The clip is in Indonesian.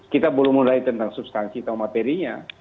kita belum mulai tentang substansi atau materinya